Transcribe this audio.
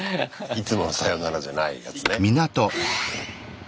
いつものさよならじゃないやつね。